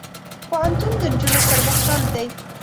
پوهنتون د نجونو پر مخ بند دی.